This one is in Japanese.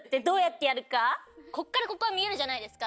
こっからここは見えるじゃないですか。